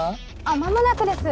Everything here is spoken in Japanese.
間もなくです。